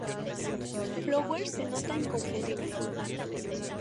Flowers se nota inconfundible".